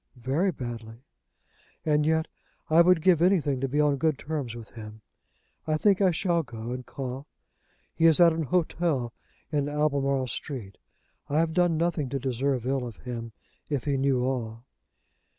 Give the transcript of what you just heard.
"Very badly." "And yet I would give anything to be on good terms with him. I think I shall go and call. He is at an hotel in Albemarle Street. I have done nothing to deserve ill of him, if he knew all."